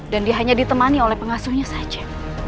dan dia hanya ditemani oleh pengasuhnya saja